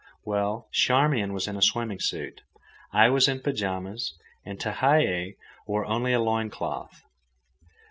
Well, Charmian was in a swimming suit, I was in pyjamas, and Tehei wore only a loin cloth.